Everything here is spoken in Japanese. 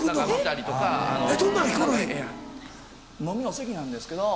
飲みの席なんですけど。